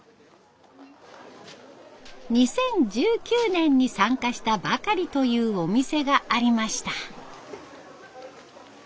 ２０１９年に参加したばかりというお店がありました。